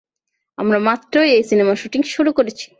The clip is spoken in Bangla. আমরা মাত্রই এই সিনেমার শুটিং শুরু করেছি।